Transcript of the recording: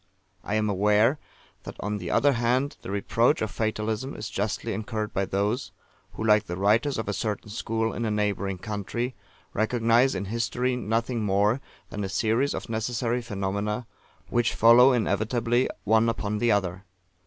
I am aware that, on the other hand, the reproach of Fatalism is justly incurred by those, who, like the writers of a certain school in a neighbouring country, recognise in history nothing more than a series of necessary phenomena, which follow inevitably one upon the other.